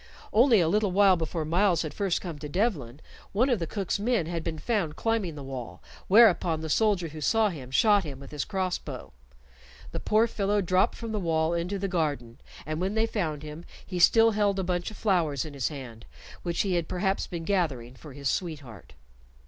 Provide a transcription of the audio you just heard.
Only a little while before Myles had first come to Devlen, one of the cook's men had been found climbing the wall, whereupon the soldier who saw him shot him with his cross bow. The poor fellow dropped from the wall into the garden, and when they found him, he still held a bunch of flowers in his hand, which he had perhaps been gathering for his sweetheart.